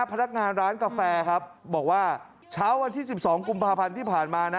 พนักงานร้านกาแฟครับบอกว่าเช้าวันที่๑๒กุมภาพันธ์ที่ผ่านมานะ